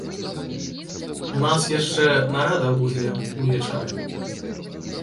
У нас яшчэ нарада будзе ўвечары.